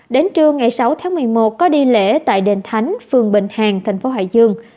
đến trưa ngày sáu tháng một mươi một có đi lễ tại đền thánh phường bình hàn thành phố hải dương